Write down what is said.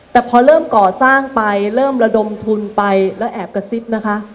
แต่พอเริ่มก่อสร้างไปเริ่มระดมทุนไปแล้วแอบกระซิบนะคะ